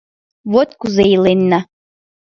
Вот кузе иленна...